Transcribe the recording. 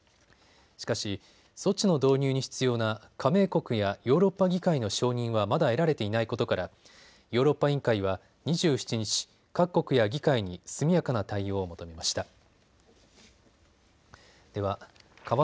しかし措置の導入に必要な加盟国やヨーロッパ議会の承認はまだ得られていないことからヨーロッパ委員会は２７日各国や議会に速やかな対応を求めました。